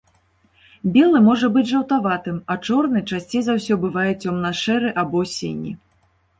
Белы можа быць жаўтаватым, а чорны часцей за ўсё бывае цёмна-шэры або сіні.